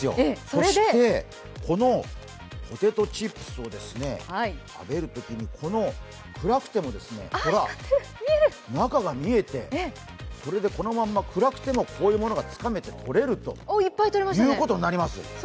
そして、このポテトチップスを食べるときに、この暗くても、ほら、中が見えて、それでこのまま暗くてもこういうものがつかめて取れるということになります。